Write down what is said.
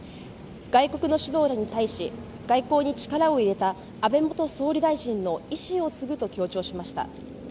外国の首脳らに対し外交に力を入れた安倍元総理大臣の遺志を継ぐと強調しました。